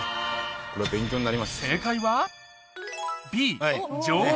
これは勉強になります。